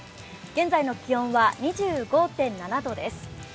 現在の気温は２５．７度です。